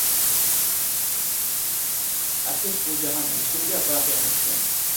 ئەپسۇس بۇ جاھان ھېچكىمگە باقى ئەمەس ئىكەن.